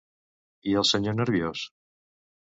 I al senyor nerviós?